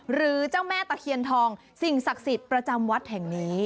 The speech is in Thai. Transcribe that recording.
หรือเจ้าแม่ตะเคียนทองสิ่งศักดิ์สิทธิ์ประจำวัดแห่งนี้